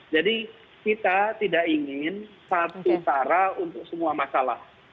jadi kita tidak ingin satu cara untuk semua masalah